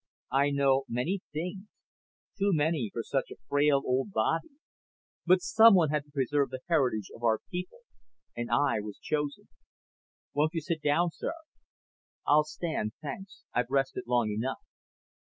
"I know many things. Too many for such a frail old body. But someone had to preserve the heritage of our people, and I was chosen." "Won't you sit down, sir?" "I'll stand, thanks. I've rested long enough.